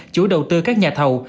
chủ đầu tư các nhà thầu